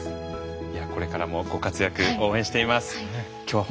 これからもご活躍応援しています。